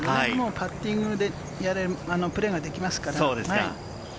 カッティングでプレーができますから。